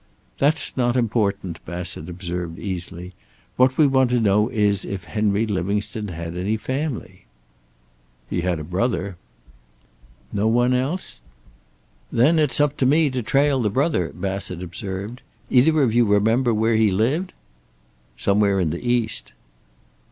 "That's not important," Bassett observed, easily. "What we want to know is if Henry Livingstone had any family." "He had a brother." "No one else?" "Then it's up to me to trail the brother," Bassett observed. "Either of you remember where he lived?" "Somewhere in the East."